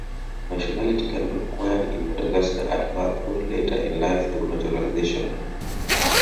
Nationality can be acquired in Madagascar at birth or later in life through naturalization.